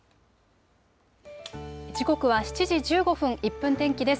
時刻は７時１５分、１分天気です。